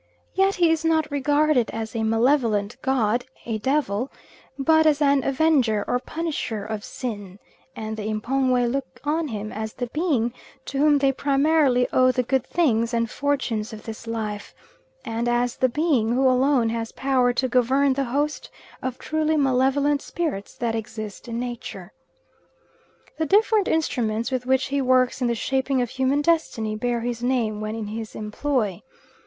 Yet he is not regarded as a malevolent god, a devil, but as an avenger, or punisher of sin; and the M'pongwe look on him as the Being to whom they primarily owe the good things and fortunes of this life, and as the Being who alone has power to govern the host of truly malevolent spirits that exist in nature. The different instruments with which he works in the shaping of human destiny bear his name when in his employ.